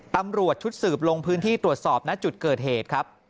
ตำรวจชุดสืบลงพื้นที่ตรวจสอบณจุดเกิดเหตุครับ